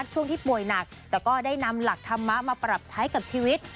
ช่วงที่ป่วยหนักแต่ก็ได้นำหลักธรรมะมาปรับใช้กับชีวิต